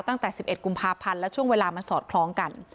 ตั้งแต่๑๑กุมภาพันธ์และช่วงเวลามันสอดคล้องกัน